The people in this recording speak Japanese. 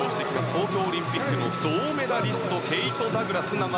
東京オリンピックの銅メダリストケイト・ダグラス。